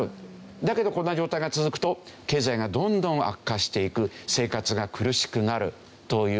だけどこんな状態が続くと経済がどんどん悪化していく生活が苦しくなるという。